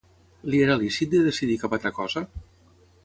Li era lícit de decidir cap altra cosa?